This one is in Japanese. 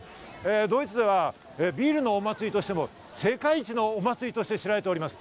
ドイツではビールのお祭りとしても世界一のお祭りとして知られています。